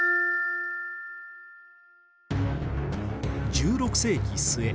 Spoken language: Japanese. １６世紀末